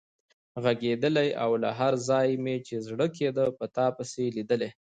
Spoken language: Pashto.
غږېدلای او له هر ځایه مې چې زړه کېده په تا پسې لیدلی.